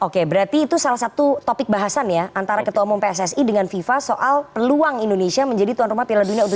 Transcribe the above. oke berarti itu salah satu topik bahasan ya antara ketua umum pssi dengan fifa soal peluang indonesia menjadi tuan rumah piala dunia u dua puluh